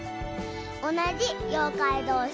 おなじようかいどうし